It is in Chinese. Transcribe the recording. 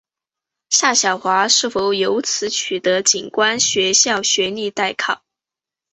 夏晓华是否由此取得警官学校学历待考。